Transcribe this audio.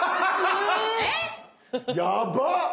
え⁉やばっ！